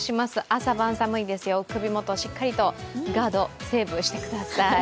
朝晩寒いですよ、首元しっかりガード、セーブしてください。